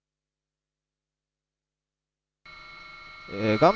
画面